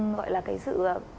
gọi là cái sự